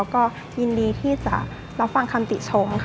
ก็ยินดีที่จะรับฟังคำติชมค่ะ